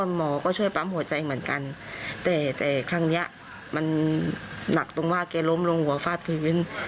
หมอก็ช่วยปั๊มหัวใจเหมือนกันแต่แต่ครั้งนี้มันหนักตรงว่าแกล้มลงหัวฟาดชีวิต